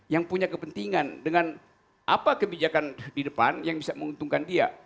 yang punya kepentingan dengan apa kebijakan di depan yang bisa menguntungkan dia